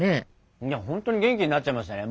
本当に元気になっちゃいましたね。